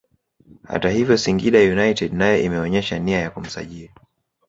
Hata hivyo Singida United nayo imeonyesha nia ya kumsajili